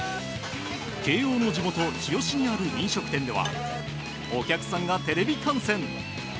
慶應の地元・日吉にある飲食店ではお客さんがテレビ観戦。